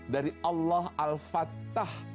dari allah al fatah